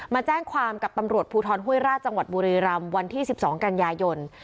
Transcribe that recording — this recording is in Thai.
มาแจ้งความกับตำรวจภูทรห้วยราชจังหวัดบุรีรำวันที่๑๒กันยายน